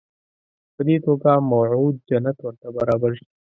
په دې توګه موعود جنت ورته برابر شي.